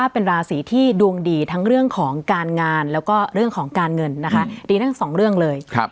เป็นราศีที่ดวงดีทั้งเรื่องของการงานแล้วก็เรื่องของการเงินนะคะดีทั้งสองเรื่องเลย